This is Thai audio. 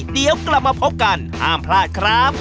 เดี๋ยวกลับมาพบกันห้ามพลาดครับ